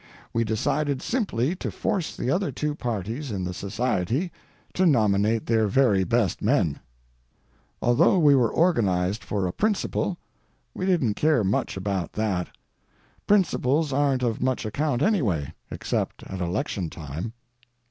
We decided simply to force the other two parties in the society to nominate their very best men. Although we were organized for a principle, we didn't care much about that. Principles aren't of much account anyway, except at election time.